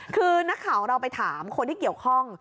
คือนักข่าวเราไปถามคนที่เกี่ยวข้อง